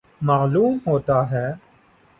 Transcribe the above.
معلوم ہوتا ہے